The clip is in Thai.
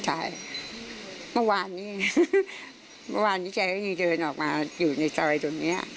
ใช่เมื่อวานนี้เมื่อวานนี้ใจก็คือเดินออกมาอยู่ในซอยตรงนี้